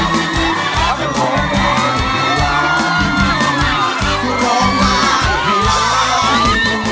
ขอบคุณครับขอบคุณครับ